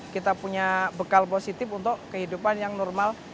kita punya bekal positif untuk kehidupan yang normal